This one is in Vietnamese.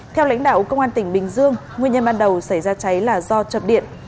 theo lãnh đạo công an tỉnh bình dương nguyên nhân ban đầu xảy ra cháy là do chập điện